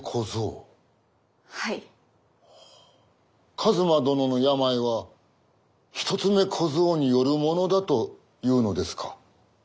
一馬殿の病は一つ目小僧によるものだと言うのですか。